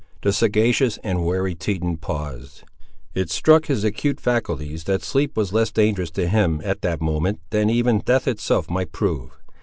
The sagacious and wary Teton paused. It struck his acute faculties that sleep was less dangerous to him, at that moment, than even death itself might prove.